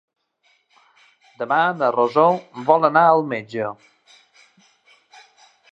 Demà na Rosó vol anar al metge.